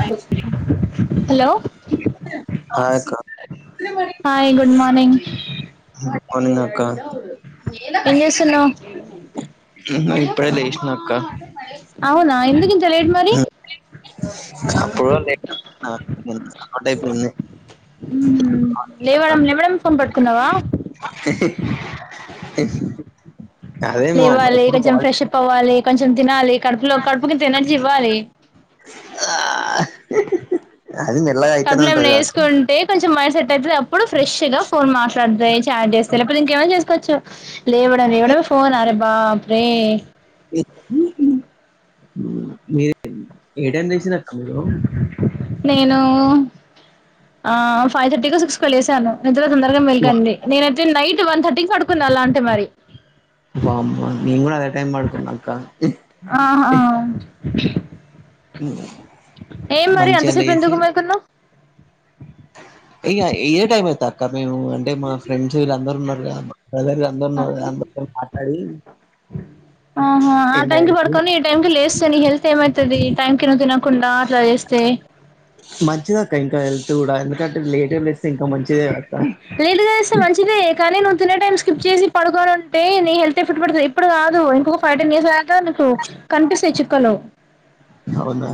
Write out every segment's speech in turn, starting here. అంటే hello good hi good morning morning అక్క ఏం చేస్తున్నావ్ ఏం లేదు ఇప్పుడే లేశినక్క అవునా ఎందుకింత లేట్ మరీ అంటే ఇప్పుడు తిన హ్మ్ హు అక్క లేవడం లేవడం ఫోన్ పట్కున్నవా అదే మా అమ్మ లేవాలి ఎప్పుడు కొంచెం కాల్ ఫ్రెష్ అప్ అవ్వాలి కొంచెం కొంచెం తినాలి కడుపులో కడుపు కింత ఎనర్జీ ఇవ్వాలి. అది మెల్లగా కబ్ అయితేనే ల్లలా ఉంటది అక్క ఎసుకుంటే కొంచెం మ లేచినప్పుడు ఫ్రెష్ గా ఫోన్ మాట్లాడతయి చాట్ చేస్తా లేక్పోతే ఇంకేమన్న చేసుకోవచ్చు. లేవడం లేవడమే ఫోన్ అరే బాప్రే మీర్ మీర్ ఏ టైం లేసిరాక్క మీరు నేను ఆ ఫైవ్ థర్టీకో సిక్స్ కో లేసాను. తొందర తొందర మెల్కండి నేనయితే నైట్ వన్ థర్టీ కి పడుకున్నా అలా అంటే మరి వామ్మో నేను గుడా అదే టైమ్ పడుకున్నాక్క ఆహా ఏం మరి అంత మంచిగా సేపు లేచి ఎందుకు మేలుకున్నావ్ ఇగ ఇదే టైం అయితదాక్క మేము అంటే మా ఫ్రెండ్స్ వీళ్ళందరూ ఉన్నారు కదా మా బ్రదర్ అందరు [unintelligible] తోన్ మాట్లాడి ఆహా ఆ టైం ఎంజాయ్ కి చేసి పడుకొని ఈ టైం కి లేస్తే నీ హెల్త్ ఏమయితది ఈ టైమ్ కి నువ్ తిన కుండా అట్ల చేస్తే చూడాలి లేటుగా లేస్తే మంచిదే కానీ నువ్వు తినే టైం స్కిప్ చేసి పడుకోను ఉంటే నీ హెల్త్ ఎఫెక్ట్ పడతది ఇప్పుడు కాదు ఇంకొక ఫైవ్, టెన్ ఇయర్స్ దాకా నీకు కనిపిస్తయి చుక్కలు అవునా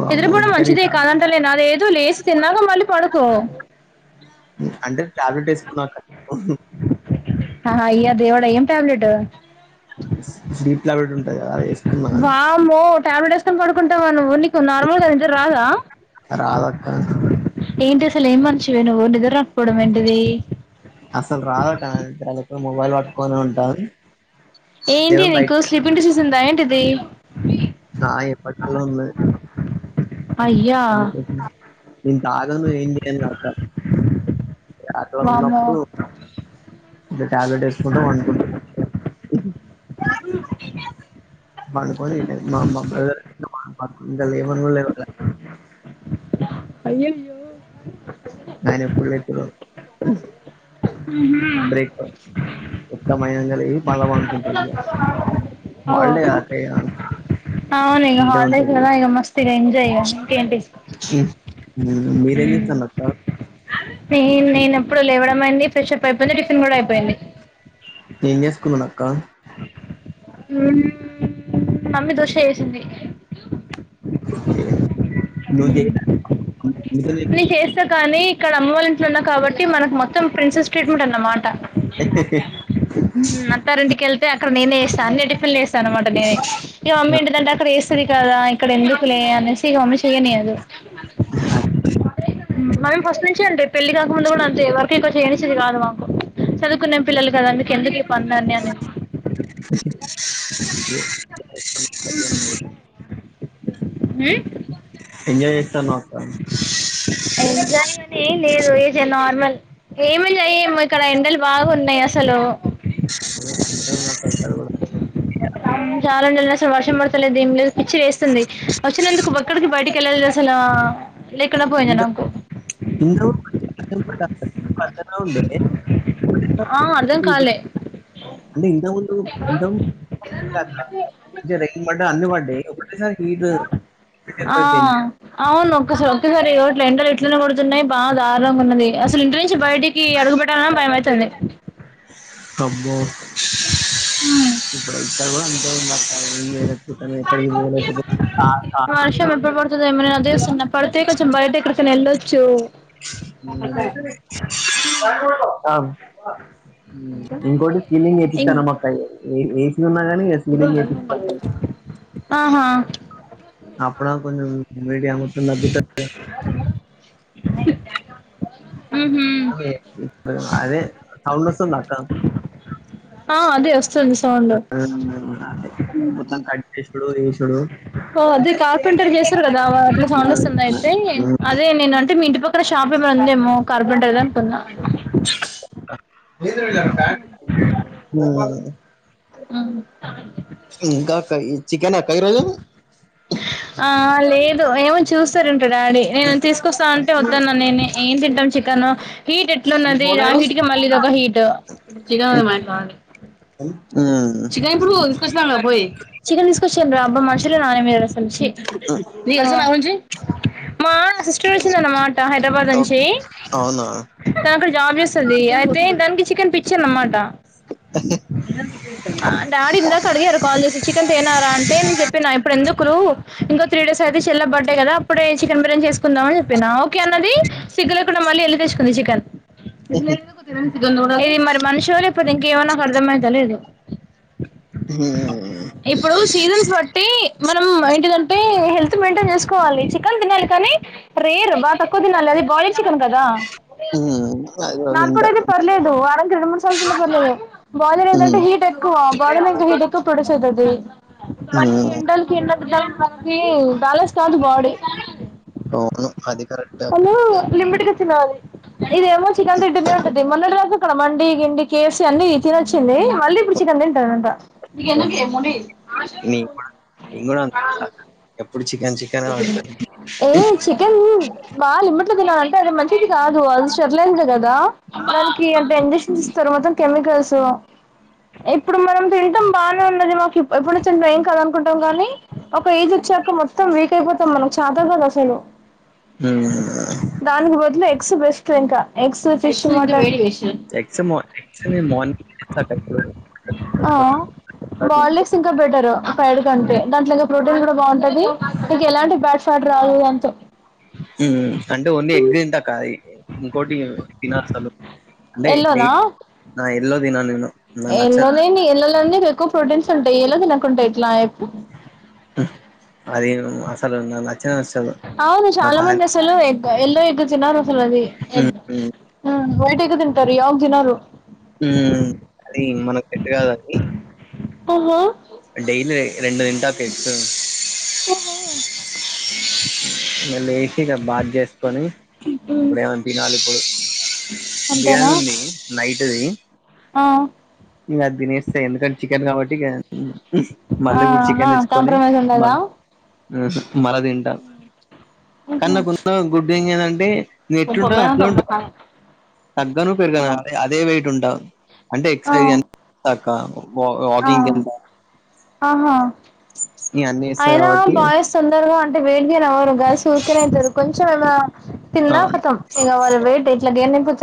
వామ్మో! నిదురపోవడం కానీ మంచిదే టాబ్ కాదంటలేను అదేదో లేచి తిన్నాక మళ్ళీ పడుకో అంటే టాబ్లెట్ ఎసుకున్నాక్క హ్మ్ హు ఆహా అయ్య దేవుడా ఏం టాబ్లెటు స్లీప్ టాబ్లెట్ ఉంటది కదా అది ఎస్ వామ్మో ట్యాబ్లెట్ ఎసుకొని పడుకుంటావ నువ్వు నీకు నార్మల్ గా నిద్ర రాదా రాదక్క. ఏంటసలు ఏం మనిషివి నువ్వు నిద్ర రాక్పోవడం ఏంటిది అసల్ రాదాక్క [unintelligible] మొబైల్ పట్కొనే ఉంటా ఏంటి ఏదో బయట నీకు స్లీప్ంగ్ డిసీస్ ఉందా ఏంటిది ఆ ఎప్పట్కేలో ఉన్నది. అయ్యా నేన్ తాగను ఏం చేయ్యన్ కా అక్క ఇగ అట్ల వామ్మో ఉన్నప్పుడు ఇగ టాబ్లెట్ ఎసుకుంటా పడుకుంటా అంతే [inaudible] పడ్కొని ఈ టైం మా మా బ్రదర్ వాన్ బతుకు ఇంకా లెవన్ గుడా లేవలే అయ్యయ్యో గాయన ఎప్పుడ్ లేత్తడో హ్మ్ హు కోత్త [unintelligible] కడిగిండు మళ్ళా పండుకుంటడు ఇగ ఓ హల్డే కదాక్క ఇయ్యాల అవును ఇగ హాలిడేస్ కదా ఇగ మస్త్ డ్ ఎంజయ్ ఇగ ఇకేంటి హ్మ్ హ్మ్ హు మీరేం చేత్తళ్ళక్క ఎంలేనప్పుడు లేవడం అయింది ఫ్రెషప్ అయిపోయింది టిఫిన్ కూడా అయిపోయింది ఏమ్ చేసుకుంటున్నావ్ అక్కా మమ్మీ దోష వేసింది ఓకె నువ్ చేయలా నేను చేస్తా కానీ ఇక్కడ అమ్మ వాళ్ళ ఇంట్లో ఉన్నప్పుడు కాబట్టి మనకు మొత్తం ప్రిన్సెస్ ట్రీట్మెంట్ అన్నమాట మ్మ్ అత్తారింటికెల్తే అత్ అక్కడ నేనేేస్తాను అన్ని టిఫిన్లు వేస్తా అనమాట నేనే ఇక మమ్మీ ఏంటంటే అక్కడేస్ రి కదా ఇక్కడ ఎందుకులే అనేసి వంశీ నేను మాయమ్మ ఫస్ట్ నుంచి అంతే పెళ్ళి కాకముందు కూడా అంతే వర్క్ ఎక్కువ చేయనిచ్చేది కాదు మాకు చదువుకునే పిల్లలు కదా అండి ఎందుకులే పన్లన్నీ అనేసి [inaudible] ఎంజాయ్ చేస్తున్నావక్కా ఎంజాయ్ అని ఏంలేదు ఇది నార్మల్ ఏమి లేయమ్మ ఇక్కడ ఎండలు బాగున్నాయసలు ఓ అంతేనా పైసలు పడు చాలా నిర్లక్ష్యం వర్షం పడతలేదు ఏంలేదు పిచ్చి వేస్తుంది వచ్చినందుకు ఒక్కడికి బయటకి వెళ్ళాలి చిన లేకున్నా పోయింది నాకు [inaudible] త ఉంది ఆ అర్ధం కాలే అంటే ఇంతకుముందు ఇంత ముందు [inaudible] రైన్ పడ్డా అన్ని పడ్డాయి ఒకటేసారి హీట్వేవ్ ఆ అవునొక్క సక్కగరి ఇట్లా ఇండలు ఇట్లనే కొడుతున్నాయి బా దారుణంగా ఉన్నది అసలు ఇంటి నుంచి బయటికి అడుగు పెట్టాలన్న భయమాయతాంది అమ్మో ఇప్పుడంతా కూడా అంతే ఇంగా మ నేల క్రితం ఎక్కడికి బోలే ఎటు పో కా కా వర్షం ఎప్పుడు పడుతుందో ఏమైనా అదే వస్తున్నా పడితే కొంచెం బయట ఎక్కడికైనా వెళ్ళొచ్చు మ్మ్ ఆ ఇంకోటి స్విమ్మింగ్ ఇం వేపిస్తున్నామక్కా వే వేడి ఆహా అప్పుడా కొంచెం మీడియా మొత్తం తగ్గుతది ఉహు అదే సౌండ్ వస్తుంది అక్కా ఆ అదే వస్తుంది సౌండ్ అవునండి మొత్తం కన్ క్రిష్ణుడు చూసుడు ఓ అదే కార్పెంటర్ చేశారు కదా అట్లా సౌండ్ వస్తుంది అయితే అదే నేనంటే మీ ఇంటి పక్ ఇక్కడ షాపులు బంధేమో కార్పెంటర్ గాని కొన్నా మ్మ్ మ్మ్ ఇంకా అక్క చికెన్ అక్క ఈరోజు ఆ లేదు ఏమో చూస్తానుండు డాడీ నేను తీసుకొస్తా అంటే వద్దన్న నేనే ఏం తింటాం చికెన్ హీట్ ఎట్లున్నది ఆ హీట్గా మల్ ఇదొక హీటు ఆ చికెన్ ఇప్పుడు తీసుకొచ్చినా పోయి చికెన్ తీసుకొచ్చాను రా అబ్బా మనుషులేనా మీరు అసలు ంచి రస బంచి [unintelligible] మా సిస్టర్ వచ్చింద అన్నమాట హైదరాబాద్ నుంచి ఓకే. అవునా తను అక్కడ జాబ్ చేస్తుంది అయితే దానికి చికెన్ పిచ్చి అన్నమాట అ [inaudible] డాడీ ఇందాక అడిగారు కాల్ చేసి చికెన్ తేనారా అంటే నేను చెప్పిన ఇప్పుడు ఎందుకు ఇంకో త్రీ డేస్ అయితే చెల్ల బర్డే కదా అప్పుడే చికెన్ బిర్యానీ చేసుకుందాం అని ఓకే అన్నది సిగ్గు లేకుడా మళ్ళీ వెళ్లి తెచ్చు కుంది చికెన్ ఇది మరి మనుషో లేక పోతే ఇంకేమైనా అర్థమైతలేదు ఉమ్, ఇప్పుడు సీజన్స్ బట్టి ఏంటి దంటే హెల్త్ మెయింటైన్ చేసుకోవాలి చికెన్ తినాలి కానీ రేర్ బాగా తక్కువ తినాలి అది వా [unintelligible] ల చికన్ కదా ఉమ్, అది కూడా నాటు కోడి వింటా అయితే పర్లేదు వారానికి రెండు మూడు సార్లు తిన్న పర్లేదు బాయిలర్ ఏంట టంటే ఉమ్, హీట్ అయితే ా ప మ ఉమ్, ఎ [unintelligible] బ్యాలన్స్ కాదు బాడి అవును అది కరెక్టే లిమిట్ గా తినాలి ఇది ఎమో చికెన్ తింటూనే ఉంటది మొన్నటి దాక డ మండి గిండి కేఎఫ్సి అన్ని తినొచ్చింది మళ్ళీ ఇప్పుడు చికెన్ తింటారు అంట ఇనంగా మడి నీ నేను కూడా అంతే ఉంటా [unintelligible] ఎప్పుడు చికెన్ చికెన్ ఆడుతాను ఏ చికెన్ బాగా లిమ్ట్ లో తినాలి అంటే అది మంచిది కాదు అ కదా దానికి అంటే ఇంజక్షన్స్ ఇస్తారు మొత్తం కెమికల్స్ సో [unintelligible] ఇప్పుడు మనం తిినాం బానే ఉన్నది మాకు ఎప్పుడు వచ్చిన్ర ఏం కదా కుంటాం కానీ ఒక ఏజ్ వచ్చాక మొత్తం వీక్ అయిపోతాం మనం చాతా కాదు అసలు ఉమ్. దానికి ఎగ్స్ బెస్ట్ ఇంకా ఎ సో ఫ మలో వడివషన్ ఎగ్స్ ఎగ్స్ నేను మార్నింగ్ తింటాక ఎప్పుడు [unintelligible] ఆ కూడా బాయిల్డ్ తింటా. ఎగ్స్ ఇంకా బెటర్ ఫ్రైడ్ కంటే దాంట్లో ఇంకా ప్రోటీన్ కూడా బాగుంటది ఇంక ఎలాంటి బ్యాడ్ ఫ్యాట్ రావు ఉం అంటే ఓన్లీ ఎగ్ తింటా అక్క ఇంకోటి తిన అసలు అంటే ఎల్లోనా డైట్ నా ఎల్లో తినను నేను న నచ్చ ఎల్లోనేని ఎక్కువ ప్రోటీన్స్ ఉంటాయి ఎల్లో తినకుంటే ఎట్లా అది ను అసలు నచ్చనే నచ్చదు అవును మా చాలా ఫ్యాన్ మంది అసలు ఎల్లో ఎగ్ తినాలి అసలు అది ఎగ్ ఉమ్. ఉమ్. ఉం వైట్ ఎగ్ తింటారు ఎవరు తినరు ఉం అది మనకు సెట్ కాదండి ఓహో డైలీ రెండు తింటా పెచ్చు ఇంగ లేచి ఇగ బాత్ చేసుకొని ఇప్పుడు ఏమనా తినాలి ఇప్పుడు బిర్యానీ అంతేనా ఉంది నైట్ది ఆ ఇంగ అది తినేస్తా ఎందుకంటే చికెన్ కాబట్టి ఇగ ఆ మళ్ళీ ఇప్పుడు ఆ చికెన్ తెచ్చుకొని కాంప్రమైజ్ మ ఉండదా మళ్ళ తింటా కానీ ఉహు. నాకున్న గుడ్ థింగ్ ఏంటంటే నేను ఎట్ల ఉంటా అట్లా ఉంట తగ్గను ఆ పెరుగను అ అదే వెయిట్ ఉంటా అంటే ఆ ఎక్సర్సైజ్ వ ఆ వాకింగ్ కెళ్త ఆహా చేస్తా అయినా కాబట్టి బాయస్ తొందరగా అంటే వెట్చేయరు ఎవరు గల్స్ ఉకేనే ఎల్తరు కొన్ చం ఏమా ఆ, తిన్నా కతం ఇగ వాళ్ళు వెయిట్ ఇట్ల గేనే [unintelligible]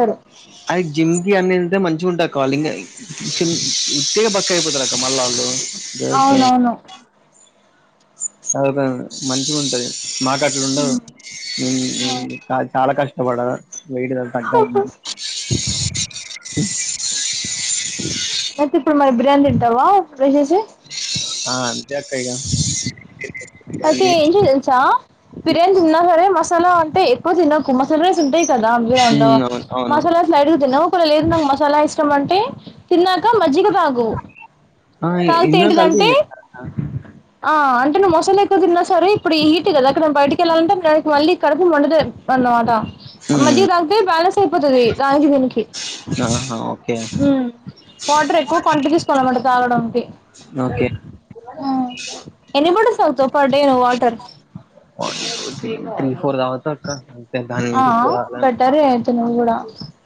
అది జిమ్కిి అనేే మంచిగా ఉంటా కాాల ఇంగ్మ్ [unintelligible] [unintelligible] కపుతు రాక మళ్ ఉళ్ళుే అవునవును అ [unintelligible] మంచిగుంటది మాకు అట్లుండదు చ చాలా కష్ వాడ వేటిద తగ్గాాల ఉ [unintelligible] అయితే ఇప్పుడు మరి బిర్యానీ తింటావా లే సేసి ఆ అంతే అక్క ఇగ అయితే ఏం చేయ తెలుసా బిర్యానీ తిన్నా సరే మసాలా అంటే ఎక్కువ తిన్నకు మసాలా రైస్ కదా హ్మ్. అంలో అవును. అవునవును. మసాలాస్ అడుగుతువ్ కూడా లేదు నాకు మసాలా [unintelligible] అంటే తిన్నాక మజ్జిగ తాగు ఆ! తాగుత ఇందులో కలిపి ఏంటిదంటే తినేస్తారా? ఆ అంటే నువ్వు మసలా ఎక్కువ తిన్నా సరే ఇప్పుడు హీట్ కదా అక్క నే బయటకి వెళ్ళాలంటే బిర్యానికి మళ్ళీ కడుప మండదతి అన్నమాట హ్మ్. మజ్జిగ దాగీతే బ్యాలెన్స్ అయిపోతది దానికి దీనికి ఆహా ఓకే ఉమ్ వాటర్ ఎక్కువ క్వాంటిటీ తీసుకోవాల అన్నమాట తాగడానికి ఓకే ఆ ఎన్ని బాటిల్స్ తాగుతవ్ పర్ డే నువ్వు వాటర్ తాగుతా అక్క. అంతే దాని హ్మ్. ఆ మించి ఎక్కువ తాగలేను. బెటరే అయితే నువ్వు కూడా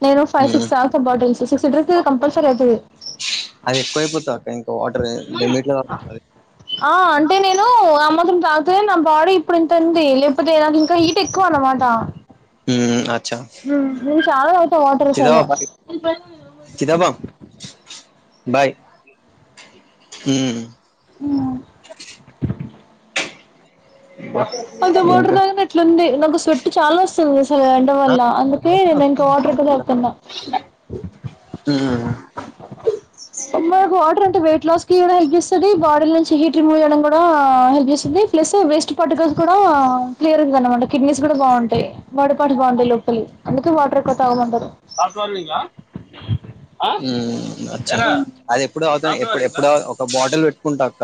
నేను ఫైవ్ హ్మ్. సిక్స్ తాగుతా సిట [unintelligible] కంపల్సర అవుతుది అది ఎక్కువైపోతది ఇంకా వాటర్ లిమిట్లో తాగాలి ఆ అంటే నేను ఆ మాత్రం తాగితే నా బాడీ ఇప్పుడు ఇంతంది లేకపోతే నాకు ఇంకా హీట్ ఎక్కువ అన్నమాట హ్మ్. అచ్చా! ఉం నేను చాలా తాగుతా వాటర్ అసలు చిదబా బాయ్ ఉం అంత వాటర్ ఇంకా తాగిన ఇట్లుంది నాకు స్వెట్ చాలా వస్తుంది ఎండ ఆ! వల్ల అందుకే నేను ఇంకా వాటర్ ఎక్కువ తాగుతున్నా హ్మ్. మాకు వాటర్ అంటే వెయిట్ లాస్ కి కూడా హెల్ప్ చేస్తది బాడీల నుంచి హీట్ రిమూవ్ చేయడం కూడా హెల్ప్ చేస్తది ప్లస్ వేస్ట్ పాటుక కూడా క్లియర్ ఇంగ్ అనమాట కిడ్నీస్ కూడా బాగుంటాయి బాడీ పార్స్ బాగుంటాయి లోపలి అందుకే వాటర్ ఎక్కువ తాగమంటారు అది ఎప్పుడు ఎప్పుడు ఎప్పుడ ఒక బాటిల్ పెట్టుకుంటా అక్క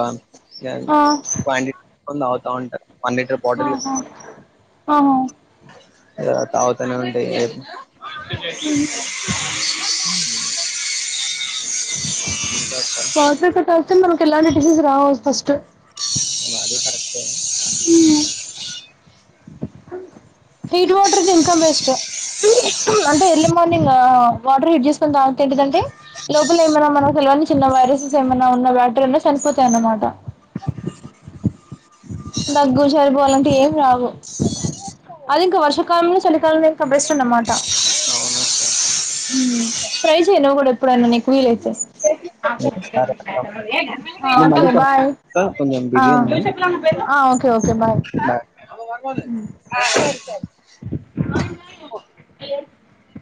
ఆ క్వాంటితి [unintelligible] ఉంట వన్ లీటర్ బాటల్ ఆహా ఆహా [unintelligible] తావాతనే ఉంట చె ఇంకా సార్ వాటర్ ఎక్కువ తాగితే మనకు ఎలాంటి డిసెస్ రావు ఫస్ట్ స ఉం హీట్ వాటర్కి ఇంకా బేస్ట్ అంటే ఎర్లీ మార్నింగ్ వాటర్ హీట్ చేసుకుని తాగితే ఏంటిదంటే లోపల ఏమైన మనకు కానీ చిన్న వైరసెస్ ఏమైన్నా ఉన్న బ్యాక్టరీయా అయినా చనిపోతాయ అన్నమాట దగ్గు జలుబు అలాంటివి ఏం రావు అది ఇంకా వర్షకాలంలో చలికాలంలో ఇంకా బెస్ట్ అనమాట ట్రై చెయ్యి నువ్వు కూడ ఎప్పుడన్నా నీకు వీలైతే సరే అక్క నేను మళ్ళీ ఒకే కాల్ బాయ్ చేస్తా. కొంచెం ఆ ఓకే బాయ్ మ [unintelligible]